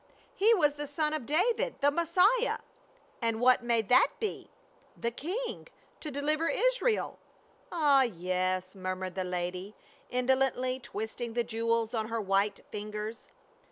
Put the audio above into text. " He was the son of David — the Messiah," "And what may that be ?" "The King — to deliver Israel." "Ah, yes," murmured the lady, indolently twist ing the jewels on her white fingers.